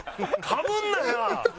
かぶんなや！